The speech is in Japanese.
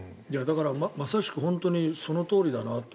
まさしく本当にそのとおりだなと。